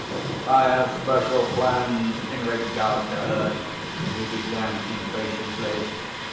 "I have special plans in regard to her," he began impatiently.